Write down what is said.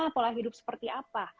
pola hidup seperti apa